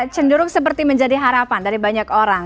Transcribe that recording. cenderung seperti menjadi harapan dari banyak orang